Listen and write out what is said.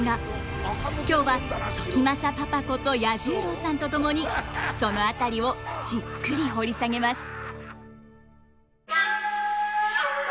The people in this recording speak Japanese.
今日は時政パパこと彌十郎さんと共にその辺りをじっくり掘り下げます。